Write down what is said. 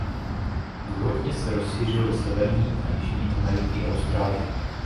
Druhotně se rozšířil do Severní a Jižní Ameriky i Austrálie.